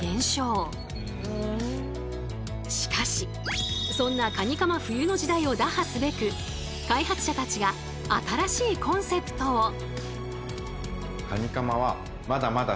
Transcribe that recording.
しかしそんなカニカマ冬の時代を打破すべく開発者たちが新しいコンセプトを。